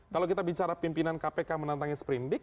kalau kita bicara pimpinan kpk menantang ini seprendik